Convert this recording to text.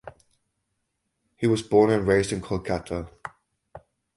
He was born and raised in Kolkata.